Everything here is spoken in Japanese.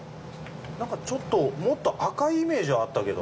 何かチョットもっと赤いイメージはあったけど。